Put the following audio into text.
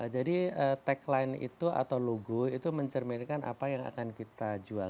jadi tagline itu atau logo itu mencerminkan apa yang akan kita jual